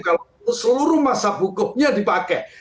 kalau itu seluruh masa hukumnya dipakai